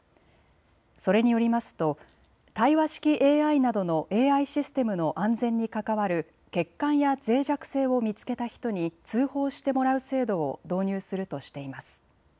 それによりますと対話式ＡＩなどのＡＩシステムの安全に関わる欠陥やぜい弱性を見つけた人に通報してもらう制度を導入するとしています。